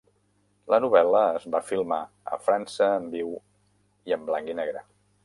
La novel·la es va filmar a França en viu i en blanc i negre.